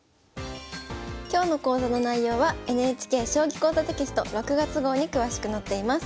今日の講座の内容はＮＨＫ「将棋講座」テキスト６月号に詳しく載っています。